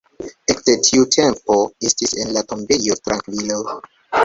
Ekde tiu tempo estis en la tombejo trankvilo.